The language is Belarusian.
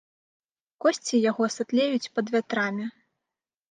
Косці яго сатлеюць пад вятрамі.